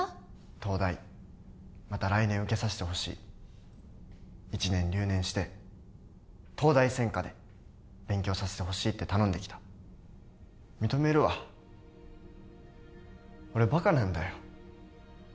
東大また来年受けさせてほしい１年留年して東大専科で勉強させてほしいって頼んできた認めるわ俺バカなんだよ